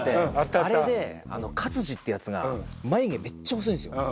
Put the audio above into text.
あれで勝嗣ってやつが眉毛めっちゃ細いんですよ。